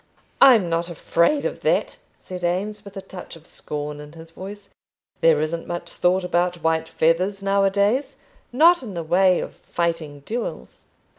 "I'm not afraid of that," said Eames, with a touch of scorn in his voice. "There isn't much thought about white feathers now a days, not in the way of fighting duels."